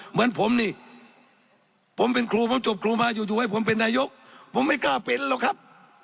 เหมือนผมนี่ผมเป็นครูผมจบครูมาอยู่ให้ผมเป็นนายกผมไม่กล้าเป็นหรอกครับ